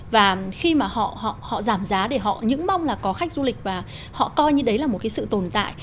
và khi mà họ giảm giá để họ những mong là có khách du lịch và họ coi như đấy là một cái sự tồn tại